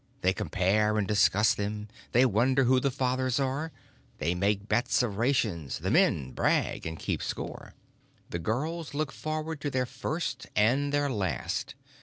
They compare and discuss them; they wonder who the fathers are; they make bets of rations; the men brag and keep score. The girls look forward to their first and their last.